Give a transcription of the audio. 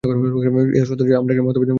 ইহা সত্য যে, আমরা একটা মতবাদ সৃষ্টি করিতেছি।